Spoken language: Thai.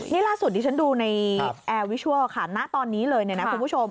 นี่ล่าสุดที่ฉันดูในแอร์วิชัลค่ะณตอนนี้เลยเนี่ยนะคุณผู้ชม